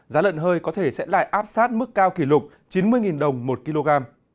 giá lợn hơi có thể sẽ lại áp sát mức cao kỷ lục chín mươi đồng một kg